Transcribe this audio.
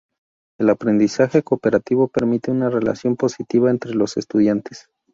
El aprendizaje cooperativo, permite una relación positiva entre los estudiantes.